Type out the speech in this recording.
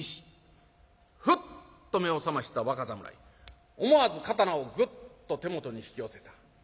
ふっと目を覚ました若侍思わず刀をグッと手元に引き寄せた。